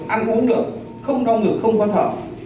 ăn uống được không đau ngực không có thở